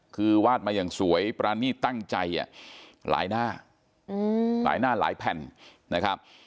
คือวาดมาอย่างสวยปรานีตตั้งใจหลายหน้าหลายหน้าหลายแผ่นนะครับ